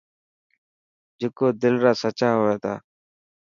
جڪو دل را سچا هئني ٿا.